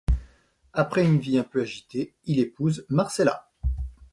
Après une vie un peu agitée, il épouse Marcella.